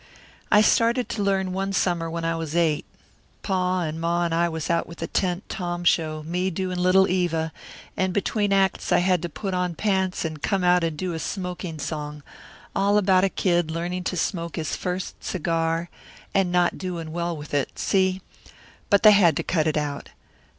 I started to learn one summer when I was eight. Pa and Ma and I was out with a tent Tom show, me doing Little Eva, and between acts I had to put on pants and come out and do a smoking song, all about a kid learning to smoke his first cigar and not doin' well with it, see? But they had to cut it out.